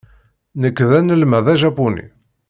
Nekk d anelmad ajapuni.